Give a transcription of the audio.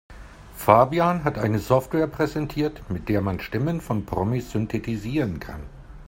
Fabian hat eine Software präsentiert, mit der man Stimmen von Promis synthetisieren kann.